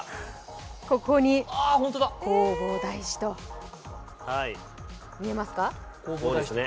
ここに弘法大師と、見えますか？